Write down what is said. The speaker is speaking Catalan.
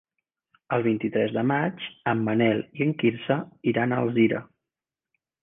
El vint-i-tres de maig en Manel i en Quirze iran a Alzira.